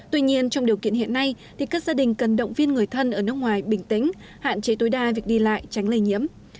tuy nhiên trong điều kiện hiện nay các gia đình cần động viên người thân ở nước ngoài bình tĩnh hạn chế tối đa việc đi lại tránh lây nhiễm